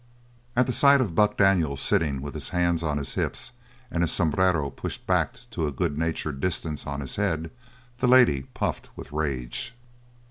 At the sight of Buck Daniels sitting with his hands on his hips and his sombrero pushed back to a good natured distance on his head the lady puffed with rage.